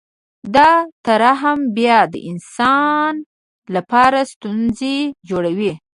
دا ترحم بیا د انسان لپاره ستونزې جوړوي